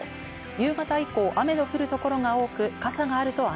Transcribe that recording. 夕方以降、雨の降る所が多く、傘があると安